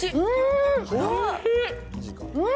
うん！